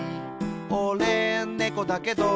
「おれ、ねこだけど」